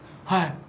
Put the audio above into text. はい。